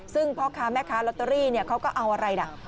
ซึ่งพ่อค้าแม่ค้าลอตเตอรี่เขาก็เอาอะไรล่ะ